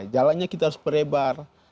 jalannya kita harus perebar